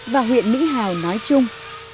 và huyện mỹ hào nói chung